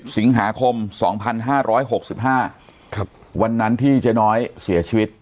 สิงหาคม๒๕๖๕วันนั้นที่เจ๊น้อยเสียชีวิต